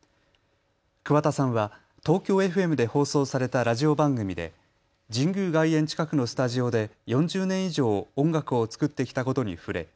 桑田さんはＴＯＫＹＯＦＭで放送されたラジオ番組で神宮外苑近くのスタジオで４０年以上、音楽を作ってきたことに触れ